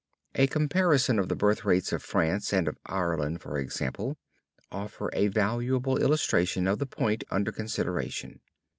A comparison of the birth rates of France and of Ireland, for example, offer a valuable illustration of the point under consideration.